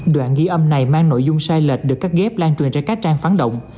đoạn ghi âm này mang nội dung sai lệch được cắt ghép lan truyền trên các trang phán động